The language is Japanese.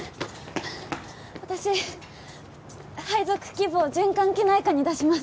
私配属希望循環器内科に出します